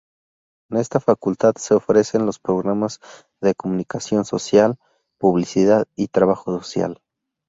En esta facultad se ofrecen los programas de: Comunicación Social, Publicidad y Trabajo Social.